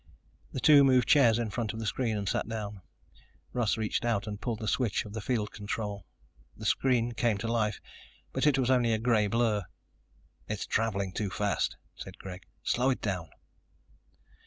The two moved chairs in front of the screen and sat down. Russ reached out and pulled the switch of the field control. The screen came to life, but it was only a gray blur. "It's traveling too fast," said Greg. "Slow it down."